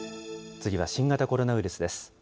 次は新型コロナウイルスです。